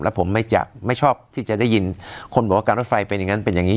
แล้วผมไม่จะไม่ชอบที่จะได้ยินคนบอกว่าการรถไฟเป็นอย่างนั้นเป็นอย่างนี้